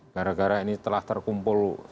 gara gara ini telah terkumpul